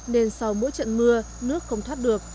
nên sau mỗi trận mưa nước không thoát được